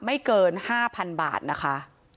เกิน๕๐๐๐บาทนะคะ